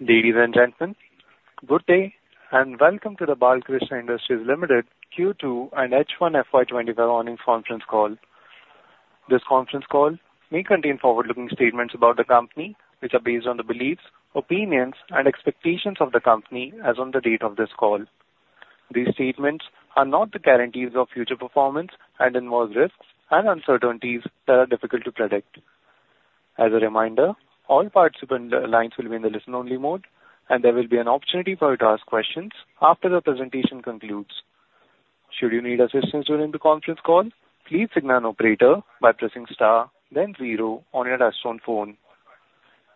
Ladies and gentlemen, good day, and welcome to the Balkrishna Industries Limited Q2 and H1 FY 2025 earnings conference call. This conference call may contain forward-looking statements about the company, which are based on the beliefs, opinions, and expectations of the company as on the date of this call. These statements are not the guarantees of future performance and involve risks and uncertainties that are difficult to predict. As a reminder, all participant lines will be in the listen-only mode, and there will be an opportunity for you to ask questions after the presentation concludes. Should you need assistance during the conference call, please signal an operator by pressing star then zero on your touchtone phone.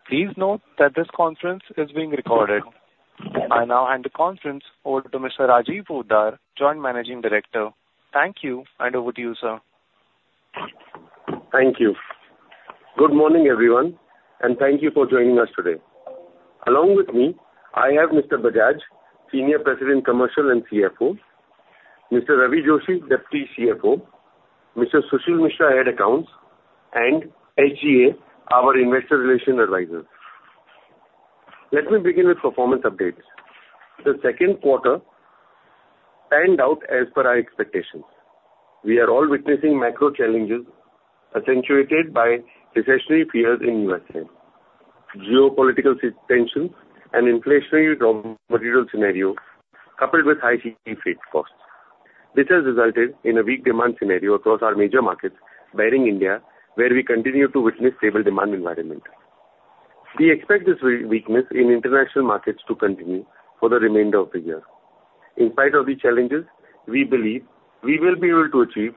Please note that this conference is being recorded. I now hand the conference over to Mr. Rajiv Poddar, Joint Managing Director. Thank you, and over to you, sir. Thank you. Good morning, everyone, and thank you for joining us today. Along with me, I have Mr. Bajaj, Senior President, Commercial and CFO, Mr. Ravi Joshi, Deputy CFO, Mr. Sushil Mishra, Head of Accounts, and SGA, our investor relations advisor. Let me begin with performance updates. The second quarter panned out as per our expectations. We are all witnessing macro challenges accentuated by recessionary fears in U.S., geopolitical tension, and inflationary raw material scenario, coupled with high freight costs. This has resulted in a weak demand scenario across our major markets, barring India, where we continue to witness stable demand environment. We expect this weakness in international markets to continue for the remainder of the year. In spite of these challenges, we believe we will be able to achieve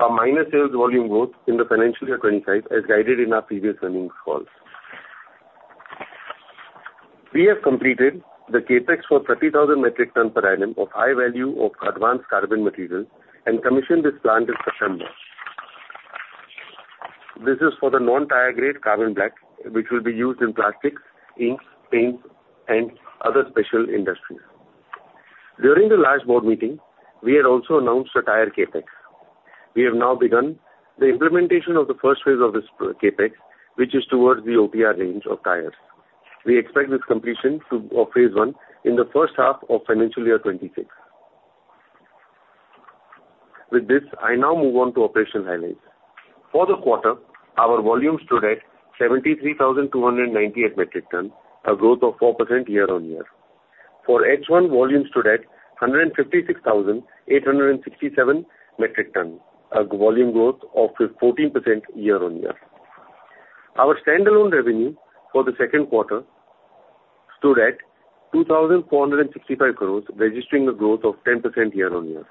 a minor sales volume growth in the financial year 2025, as guided in our previous earnings calls. We have completed the CapEx for 30,000 metric ton per annum of high value of advanced carbon materials and commissioned this plant in September. This is for the non-tire grade carbon black, which will be used in plastics, inks, paints, and other special industries. During the last board meeting, we had also announced a tire CapEx. We have now begun the implementation of the first phase of this CapEx, which is towards the OTR range of tires. We expect this completion of phase one in the first half of financial year 2026. With this, I now move on to operational highlights. For the quarter, our volume stood at 73,298 metric ton, a growth of 4% year on year. For H1, volume stood at 156,867 metric ton, a volume growth of 14% year on year. Our standalone revenue for the second quarter stood at 2,465 crore, registering a growth of 10% year on year.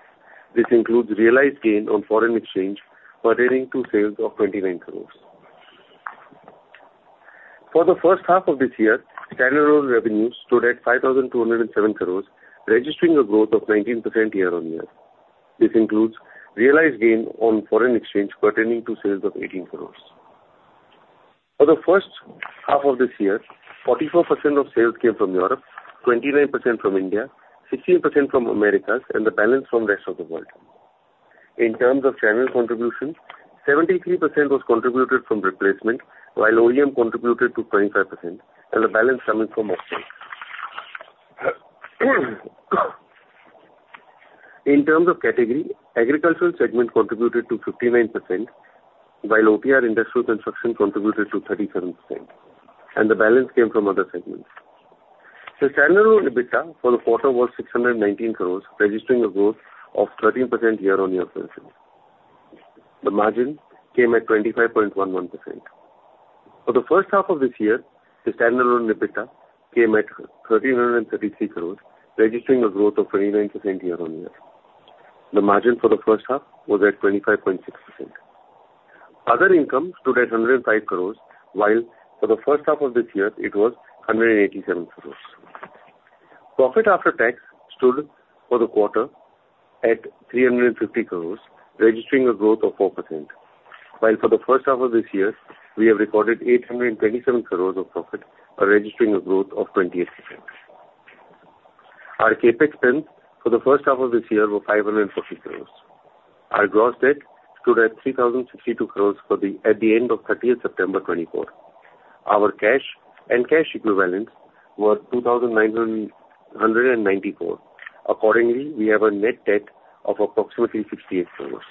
This includes realized gain on foreign exchange pertaining to sales of 29 crore. For the first half of this year, standalone revenue stood at 5,207 crore, registering a growth of 19% year on year. This includes realized gain on foreign exchange pertaining to sales of 18 crore. For the first half of this year, 44% of sales came from Europe, 29% from India, 16% from Americas, and the balance from rest of the world. In terms of channel contribution, 73% was contributed from replacement, while OEM contributed to 25%, and the balance coming from after. In terms of category, agricultural segment contributed to 59%, while OTR Industrial Construction contributed to 37%, and the balance came from other segments. The standalone EBITDA for the quarter was 619 crore, registering a growth of 13% year on year versus. The margin came at 25.11%. For the first half of this year, the standalone EBITDA came at 1,333 crore, registering a growth of 29% year on year. The margin for the first half was at 25.6%. Other income stood at 105 crore, while for the first half of this year, it was 187 crore. Profit after tax stood for the quarter at 350 crore, registering a growth of 4%. While for the first half of this year, we have recorded 827 crore of profit, registering a growth of 28%. Our CapEx spend for the first half of this year was 550 crore. Our gross debt stood at 3,062 crore at the end of 30th September 2024. Our cash and cash equivalents were 2,994 crore. Accordingly, we have a net debt of approximately 68 crore.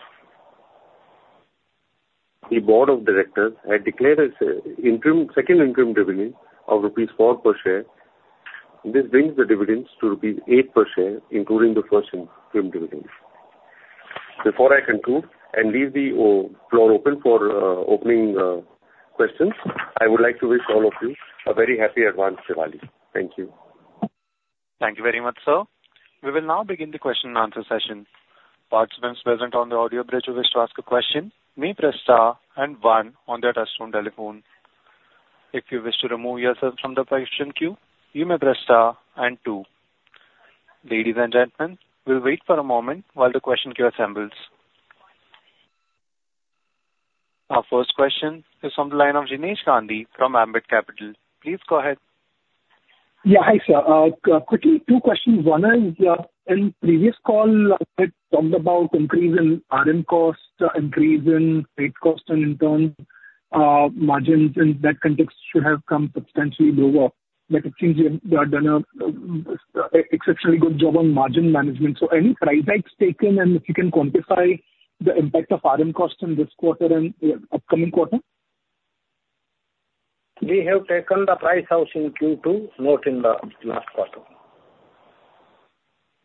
The board of directors had declared a second interim dividend of rupees 4 per share. This brings the dividends to rupees 8 per share, including the first interim dividend. Before I conclude and leave the floor open for opening questions, I would like to wish all of you a very happy Diwali in advance. Thank you. Thank you very much, sir. We will now begin the question and answer session. Participants present on the audio bridge who wish to ask a question may press Star and one on their touchtone telephone. If you wish to remove yourself from the question queue, you may press Star and two. Ladies and gentlemen, we'll wait for a moment while the question queue assembles. Our first question is on the line of Jinesh Gandhi from Ambit Capital. Please go ahead. Yeah. Hi, sir. Quickly, two questions. One is, in previous call, you had talked about increase in RM costs, increase in freight costs, and in turn, margins in that context should have come substantially lower. But it seems you have done a exceptionally good job on margin management. So any price hikes taken, and if you can quantify the impact of RM costs in this quarter and the upcoming quarter? We have taken the price hike in Q2, not in the last quarter.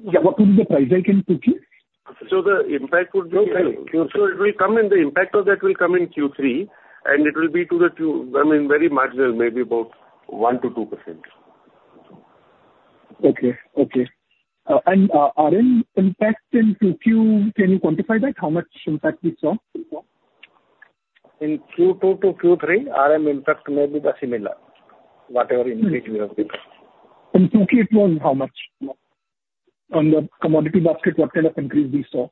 Yeah, what will be the price hike in Q3? So the impact would be- No, sorry. So it will come in, the impact of that will come in Q3, and it will be to the tune, I mean, very marginal, maybe about 1%-2%. Okay. RM impact in Q2, can you quantify that? How much impact you saw? In Q2 to Q3, RM impact may be the similar, whatever increase we have taken. In Q2, how much? On the commodity basket, what kind of increase we saw?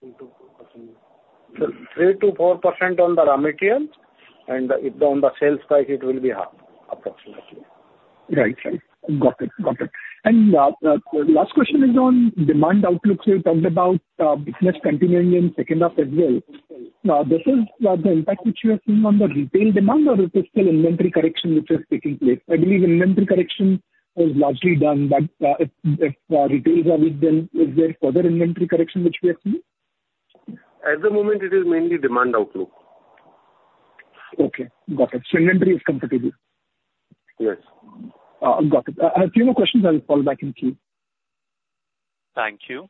So 3%-4% on the raw material, and on the sales price, it will be half, approximately. Right. Right. Got it. Got it. And, the last question is on demand outlook. So you talked about, business continuing in second half as well. Now, this is, the impact which you have seen on the retail demand or is this still inventory correction which is taking place? I believe inventory correction is largely done, but, if retailers are with them, is there further inventory correction which we are seeing? At the moment, it is mainly demand outlook. Okay, got it. So inventory is comfortable? Yes. Got it. I have a few more questions. I will call back in queue. Thank you.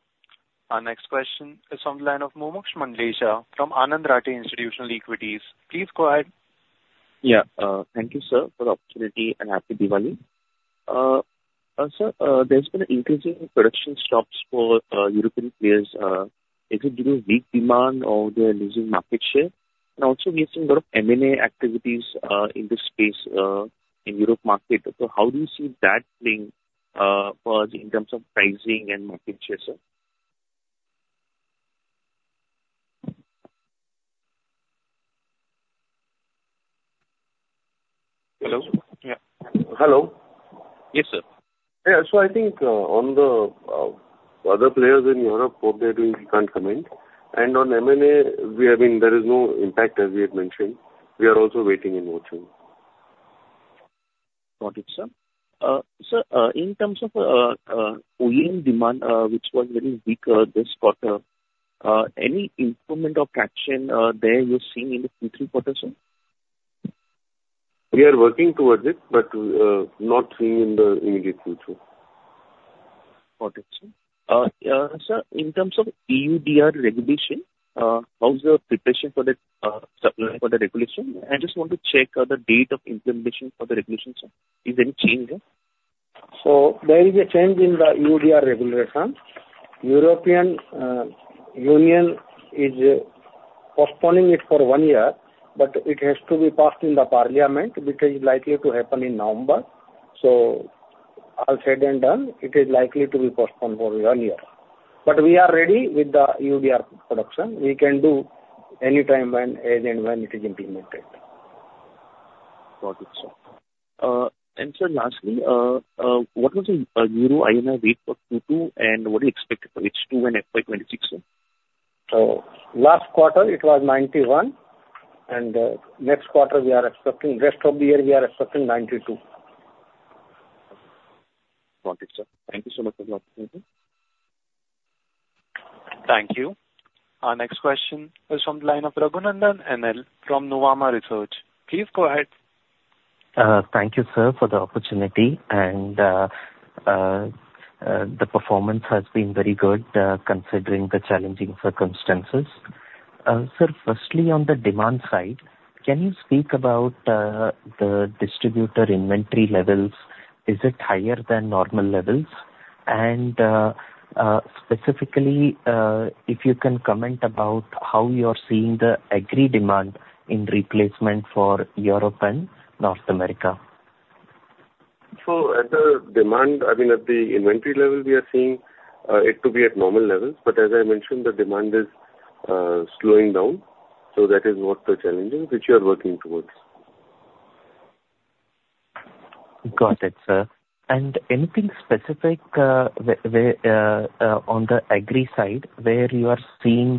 Our next question is on the line of Mumuksh Mandlesha from Anand Rathi Institutional Equities. Please go ahead. Yeah. Thank you, sir, for the opportunity, and happy Diwali. Sir, there's been an increase in production stops for European players. Is it due to weak demand or they're losing market share? And also, we have seen lot of M&A activities in this space in Europe market. So how do you see that playing for us in terms of pricing and market share, sir? Hello? Yeah. Hello? Yes, sir. Yeah, so I think, on the other players in Europe, what they're doing, we can't comment. And on M&A, we have been... There is no impact, as we had mentioned. We are also waiting and watching. Got it, sir. Sir, in terms of OEM demand, which was very weak this quarter, any improvement or expectation there you're seeing in the Q3 quarter, sir? We are working towards it, but not seeing in the immediate future. Got it, sir. Sir, in terms of EUDR regulation, how is your preparation for the, supply for the regulation? I just want to check, the date of implementation for the regulation, sir. Is any change there? So there is a change in the EUDR regulation. European Union is postponing it for one year, but it has to be passed in the parliament, which is likely to happen in November. So all said and done, it is likely to be postponed for one year. But we are ready with the EUDR production. We can do any time when, and when it is implemented. Got it, sir. And sir, lastly, what was the Euro INR rate for Q2, and what do you expect it for H2 and FY 2026, sir? So last quarter it was 91, and next quarter we are expecting, rest of the year, we are expecting 92. Got it, sir. Thank you so much for the opportunity. Thank you. Our next question is from the line of Raghunandan NL from Nuvama Research. Please go ahead. Thank you, sir, for the opportunity, and the performance has been very good, considering the challenging circumstances. Sir, firstly, on the demand side, can you speak about the distributor inventory levels? Is it higher than normal levels? And specifically, if you can comment about how you are seeing the agri demand in replacement for Europe and North America. At the demand, I mean, at the inventory level, we are seeing it to be at normal levels, but as I mentioned, the demand is slowing down, so that is what the challenge is, which we are working towards. Got it, sir. And anything specific where on the agri side where you are seeing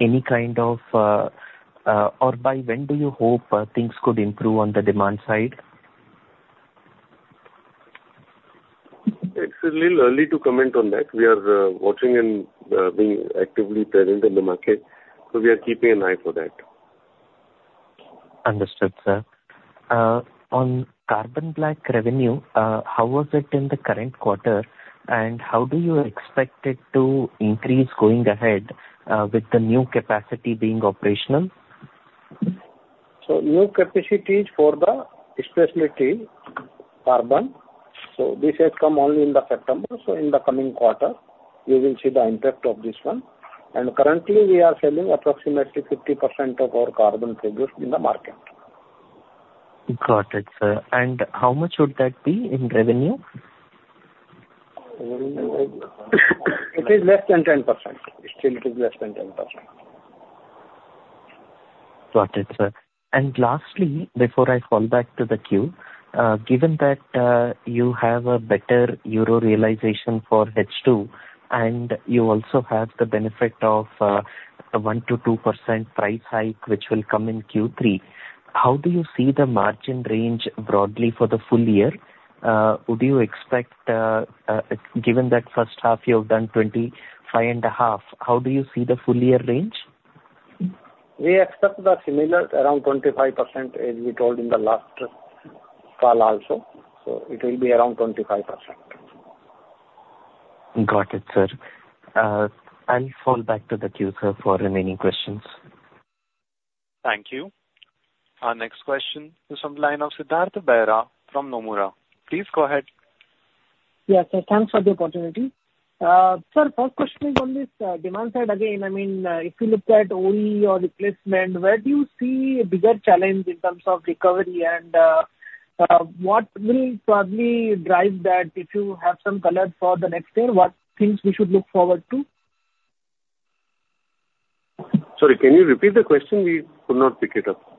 any kind of, or by when do you hope things could improve on the demand side? It's a little early to comment on that. We are watching and being actively present in the market, so we are keeping an eye for that. Understood, sir. On carbon black revenue, how was it in the current quarter, and how do you expect it to increase going ahead, with the new capacity being operational? So new capacity is for the specialty carbon black. So this has come only in September. So in the coming quarter, you will see the impact of this one. And currently, we are selling approximately 50% of our carbon black production in the market. Got it, sir. And how much would that be in revenue? It is less than 10%. Still, it is less than 10%. Got it, sir. And lastly, before I fall back to the queue, given that you have a better Euro realization for H2, and you also have the benefit of a 1%-2% price hike, which will come in Q3, how do you see the margin range broadly for the full year? Would you expect, given that first half you have done 25.5%, how do you see the full year range? We expect the similar, around 25%, as we told in the last call also. So it will be around 25%. Got it, sir. I'll fall back to the queue, sir, for remaining questions. Thank you. Our next question is from the line of Siddhartha Bera from Nomura. Please go ahead. Yes, sir, thanks for the opportunity. Sir, first question is on this, demand side again. I mean, if you look at OE or replacement, where do you see a bigger challenge in terms of recovery, and what will probably drive that, if you have some color for the next year, what things we should look forward to? Sorry, can you repeat the question? We could not pick it up.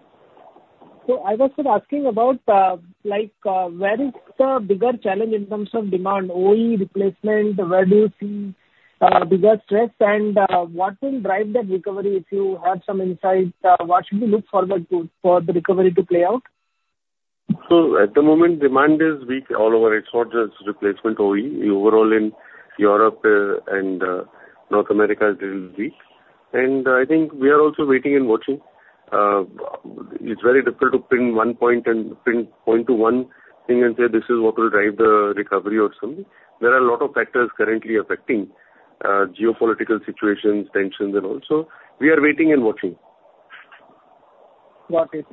I was, sir, asking about, like, where is the bigger challenge in terms of demand, OE, replacement, where do you see bigger stress? And what will drive that recovery, if you have some insights, what should we look forward to for the recovery to play out? So at the moment, demand is weak all over. It's not just replacement OE. Overall, in Europe and North America, it is weak. And I think we are also waiting and watching. It's very difficult to pinpoint one thing and say, "This is what will drive the recovery or something." There are a lot of factors currently affecting geopolitical situations, tensions and all. So we are waiting and watching. Got it.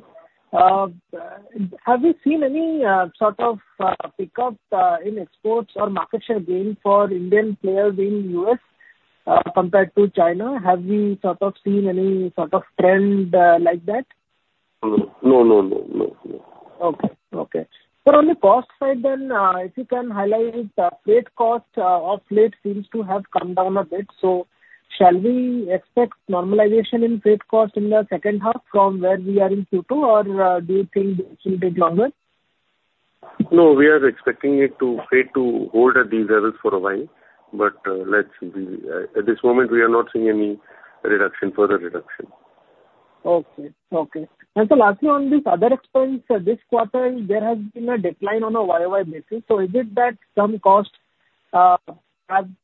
Have you seen any sort of pickup in exports or market share gain for Indian players in U.S., compared to China? Have we sort of seen any sort of trend like that? No, no, no, no, no. Okay. Okay. Sir, on the cost side then, if you can highlight, freight cost, of late seems to have come down a bit, so shall we expect normalization in freight cost in the second half from where we are in Q2, or, do you think it will take longer? No, we are expecting it to, freight to hold at these levels for a while. But, let's be, at this moment, we are not seeing any reduction, further reduction. Okay. Okay. And so lastly, on this other expense, this quarter, there has been a decline on a YOY basis. So is it that some costs have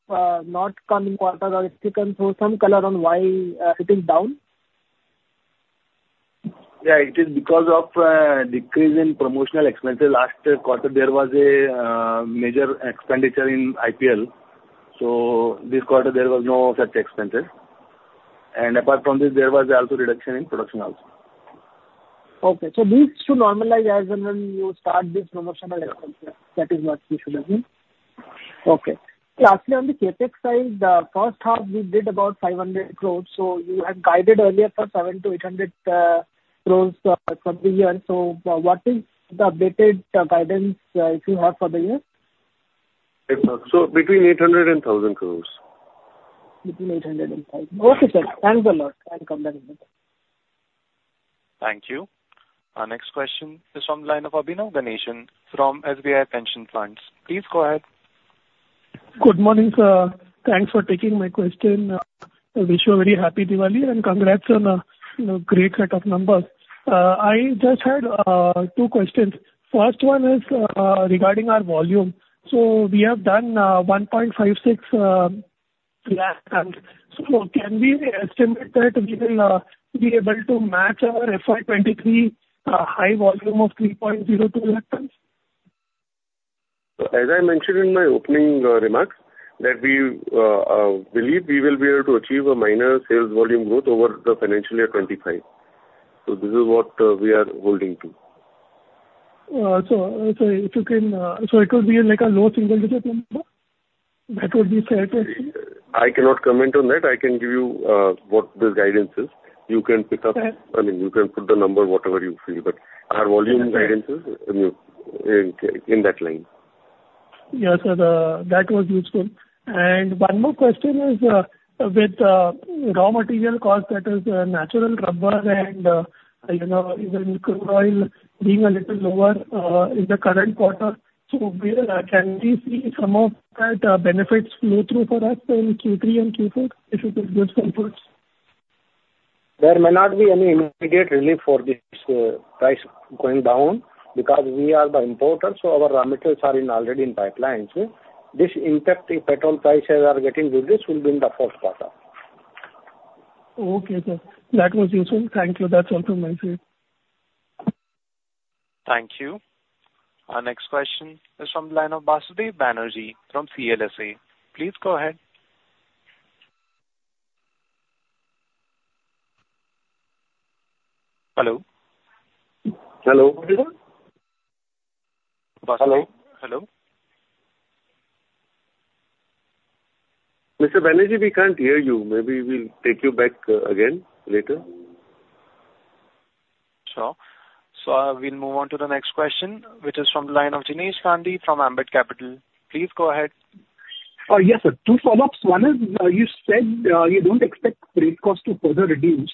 not come in quarter or if you can throw some color on why it is down? Yeah, it is because of decrease in promotional expenses. Last quarter, there was a major expenditure in IPL, so this quarter there was no such expenses, and apart from this, there was also reduction in production also. Okay, so this should normalize as and when you start this promotional expense. That is what you should have mean? Okay. Lastly, on the CapEx side, first half, we did about 500 crore, so you had guided earlier for 700 crore-800 crore for the year. So what is the updated guidance, if you have for the year? Between 800 and 1,000 crore. Between 800 and 1,000. Okay, sir. Thanks a lot, and congratulations. Thank you. Our next question is from the line of Abhinav Ganeshan from SBI Pension Funds. Please go ahead. Good morning, sir. Thanks for taking my question. Wish you a very happy Diwali, and congrats on a, you know, great set of numbers. I just had two questions. First one is regarding our volume. So we have done 1.56 lakh tons. So can we estimate that we will be able to match our FY 2023 high volume of 3.02 lakh tons? As I mentioned in my opening remarks, that we believe we will be able to achieve a minor sales volume growth over the financial year 2025, so this is what we are holding to. So, so if you can, So it will be like a low single digit number? That would be fair to assume. I cannot comment on that. I can give you what the guidance is. You can pick up- Okay. I mean, you can put the number whatever you feel, but our volume guidance is, I mean, in that line. Yeah, sir, that was useful. And one more question is, with raw material cost, that is, natural rubber and, you know, even crude oil being a little lower, in the current quarter, so where can we see some of that benefits flow through for us in Q3 and Q4, if you could give some thoughts? There may not be any immediate relief for this, price going down, because we are the importer, so our raw materials are already in pipelines. This impact, the petrol prices are getting reduced, will be in the fourth quarter. Okay, sir. That was useful. Thank you. That's all from my side. Thank you. Our next question is from the line of Basudeb Banerjee from CLSA. Please go ahead. Hello? Hello. Hello? Hello. Mr. Banerjee, we can't hear you. Maybe we'll take you back, again later. Sure. So, we'll move on to the next question, which is from the line of Jinesh Gandhi from Ambit Capital. Please go ahead. Yes, sir, two follow-ups. One is, you said, you don't expect freight costs to further reduce.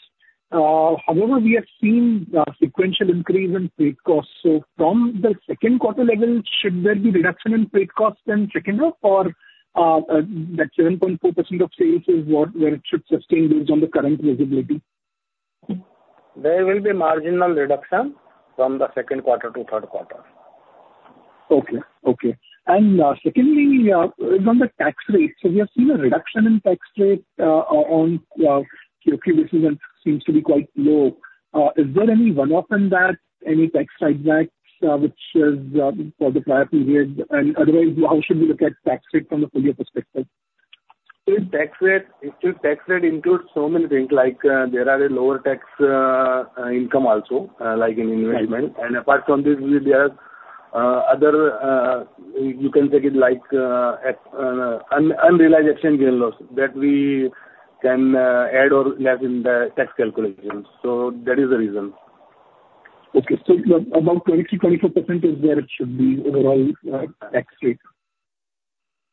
However, we have seen a sequential increase in freight costs. So from the second quarter level, should there be reduction in freight costs in second half or, that 7.4% of sales is what, where it should sustain based on the current visibility? There will be marginal reduction from the second quarter to third quarter. Okay. Okay. And secondly, on the tax rate, so we have seen a reduction in tax rate on Q3, which even seems to be quite low. Is there any one-off in that, any tax side that which is for the prior period? And otherwise, how should we look at tax rate from a full year perspective? In tax rate, it's the tax rate includes so many things, like, there are a lower tax, income also, like in investment. Right. And apart from this, there are other. You can take it like at unrealized forex gain/loss that we can add or less in the tax calculations. So that is the reason. Okay. So about 23%-24% is where it should be overall, tax rate?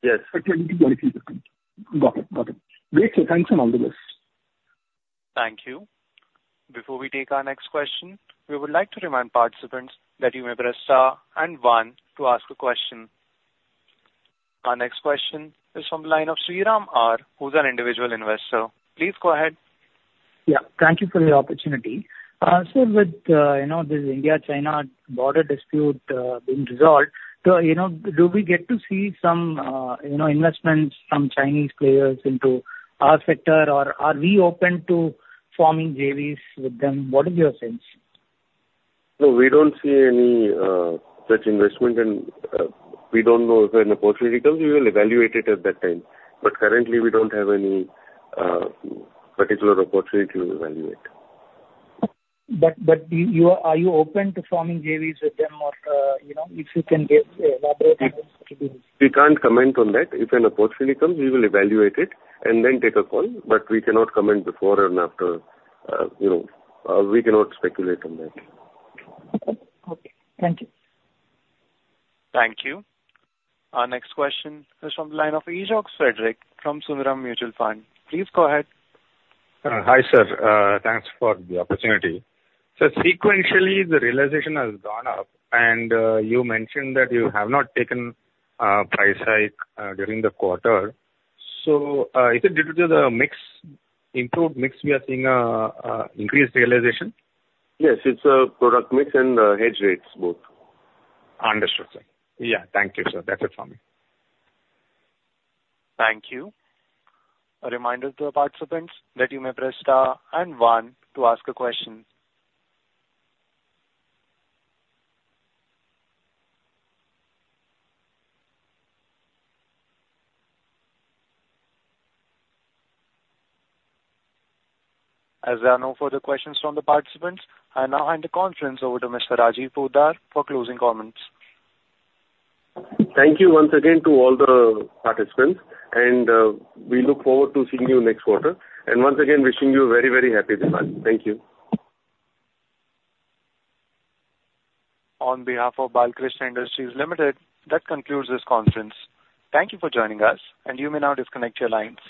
Yes. 23%. Got it. Got it. Great, sir. Thanks a lot for this. Thank you. Before we take our next question, we would like to remind participants that you may press star and one to ask a question. Our next question is from the line of Sriram R, who's an individual investor. Please go ahead. Yeah. Thank you for the opportunity. Sir, with, you know, this India-China border dispute, being resolved, so, you know, do we get to see some, you know, investments from Chinese players into our sector, or are we open to forming JVs with them? What is your sense? No, we don't see any such investment, and we don't know if an opportunity comes, we will evaluate it at that time. But currently we don't have any particular opportunity to evaluate. But you... Are you open to forming JVs with them or, you know, if you can give, elaborate on this to be- We can't comment on that. If an opportunity comes, we will evaluate it and then take a call, but we cannot comment before and after, you know, we cannot speculate on that. Okay. Thank you. Thank you. Our next question is from the line of Ajox Frederick from Sundaram Mutual Fund. Please go ahead. Hi, sir. Thanks for the opportunity. So sequentially, the realization has gone up, and you mentioned that you have not taken price hike during the quarter. So, is it due to the mix, improved mix, we are seeing increased realization? Yes, it's a product mix and, hedge rates, both. Understood, sir. Yeah, thank you, sir. That's it for me. Thank you. A reminder to our participants that you may press star and one to ask a question. As there are no further questions from the participants, I now hand the conference over to Mr. Rajiv Poddar for closing comments. Thank you once again to all the participants, and, we look forward to seeing you next quarter. And once again, wishing you a very, very happy Diwali. Thank you. On behalf of Balkrishna Industries Limited, that concludes this conference. Thank you for joining us, and you may now disconnect your lines.